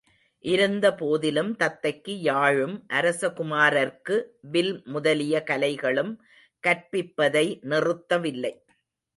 இருந்தபோதிலும் தத்தைக்கு யாழும் அரசகுமாரர்க்கு வில் முதலிய கலைகளும் கற்பிப்பதை நிறுத்தவில்லை.